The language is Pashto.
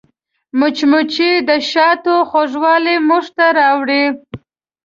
مچمچۍ د شاتو خوږوالی موږ ته راوړي